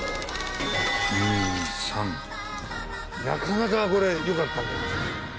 なかなかこれよかった。